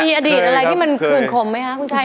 มีอดีตอะไรที่มันขื่นขมไหมคะคุณชัย